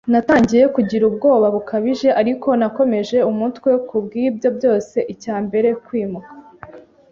Natangiye kugira ubwoba bukabije, ariko nakomeje umutwe, kubwibyo byose. Icyambere, kwimuka